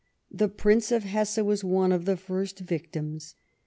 The Prince of Hesse was one of the first victims.